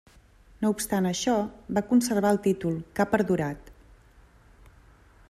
No obstant això, va conservar el títol, que ha perdurat.